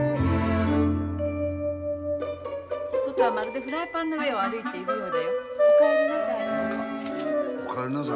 外はまるでフライパンの上を歩いているようだよ。